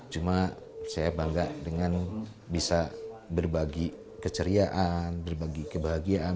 cuma saya bangga dengan bisa berbagi keceriaan berbagi kebahagiaan